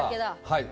はい。